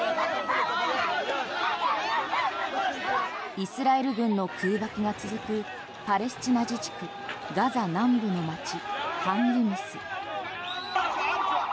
イスラエル軍の空爆が続くパレスチナ自治区ガザ南部の街ハンユニス。